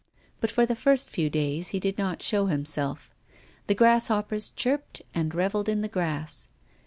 But, for the first few days, he did not show himself. The grasshoppers chirped and rev elled in the grass.